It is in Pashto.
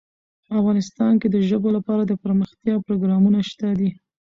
افغانستان کې د ژبو لپاره دپرمختیا پروګرامونه شته دي.